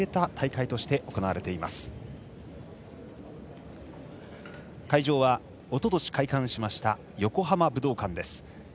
会場はおととし開館しました横浜武道館です。